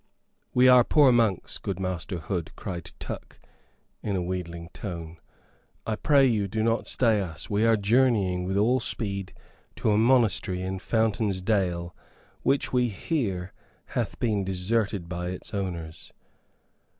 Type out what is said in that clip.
"We are poor monks, good Master Hood," cried Tuck, in a wheedling tone; "I pray you do not stay us. We are journeying with all speed to a monastery in Fountain's Dale, which we hear hath been deserted by its owners."